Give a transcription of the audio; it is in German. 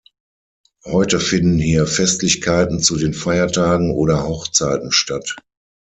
Heute finden hier Festlichkeiten zu den Feiertagen oder Hochzeiten statt.